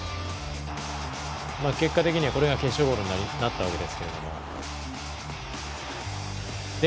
結果的には、これが決勝ゴールになったわけですね。